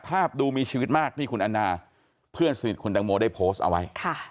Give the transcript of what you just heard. ดูมีชีวิตมากนี่คุณแอนนาเพื่อนสนิทคุณตังโมได้โพสต์เอาไว้